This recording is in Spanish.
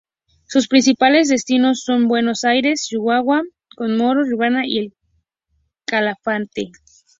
Sus principales destinos son Buenos Aires, Ushuaia, Comodoro Rivadavia y El Calafate.